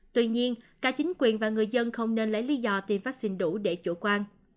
tuy nhiên cả chính quyền và người dân không nên lấy lý do tiêm vaccine đủ để chủ quan